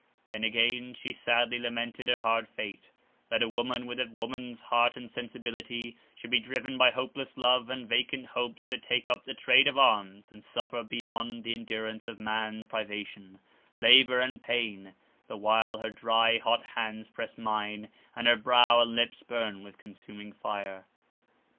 Then again she sadly lamented her hard fate; that a woman, with a woman's heart and sensibility, should be driven by hopeless love and vacant hopes to take up the trade of arms, and suffer beyond the endurance of man privation, labour, and pain—the while her dry, hot hand pressed mine, and her brow and lips burned with consuming fire.